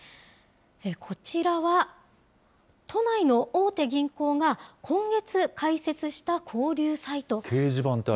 こちらは都内の大手銀行が今月開設した交流サイトです。